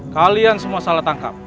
kalian semua salah tangkap